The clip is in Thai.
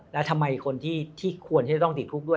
แล้วทำไมคนที่ควรที่จะต้องติดคุกด้วย